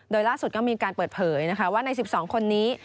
โดยล่าสุดก็มีการเปิดเผยนะคะว่าใน๑๒คนนี้